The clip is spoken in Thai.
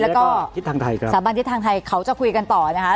และก็สหบันทิศทางไทยเขาจะคุยกันต่อนะคะ